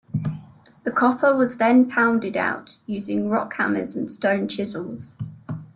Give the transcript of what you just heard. The copper was then pounded out, using rock hammers and stone chisels.